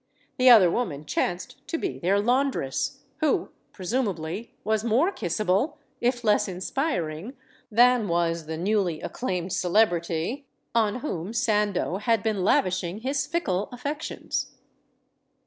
The other woman chanced to be their laun dress, who, presumably, was more kissable, if less in spiring, than was the newly acclaimed celebrity on whom Sandeau had been lavishing his fickle affections.